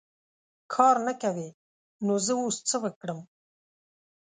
کار نه کوې ! نو زه اوس څه وکړم .